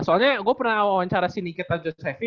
soalnya gua pernah wawancara si nikita josevi